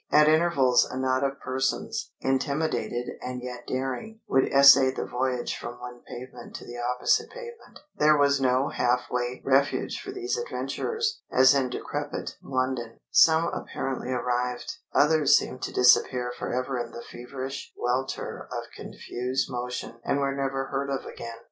At intervals a knot of persons, intimidated and yet daring, would essay the voyage from one pavement to the opposite pavement; there was no half way refuge for these adventurers, as in decrepit London; some apparently arrived; others seemed to disappear forever in the feverish welter of confused motion and were never heard of again.